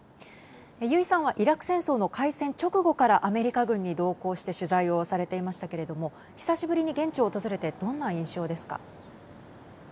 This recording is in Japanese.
油井さんはイラク戦争の開戦直後からアメリカ軍に同行して取材をされていましたけれども久しぶりに現地を訪れてどんな印象ですか。